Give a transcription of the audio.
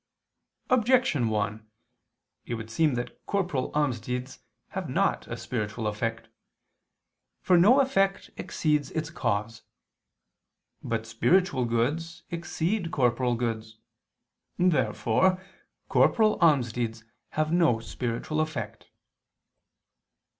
Objection 1: It would seem that corporal almsdeeds have not a spiritual effect. For no effect exceeds its cause. But spiritual goods exceed corporal goods. Therefore corporal almsdeeds have no spiritual effect.